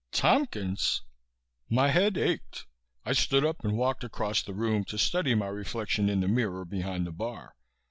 Tompkins! My head ached. I stood up and walked across the room to study my reflection in the mirror behind the bar.